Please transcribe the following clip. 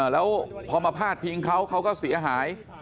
แล้วพอมาพาดพิงเขาเขาก็เสียหาย